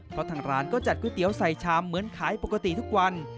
เพราะทางร้านก็จัดก๋วยเตี๋ยวใส่ชามเหมือนขายปกติทุกวัน